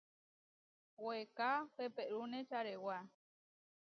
Weeká peperúne čarewá.